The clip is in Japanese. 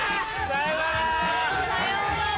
さようなら。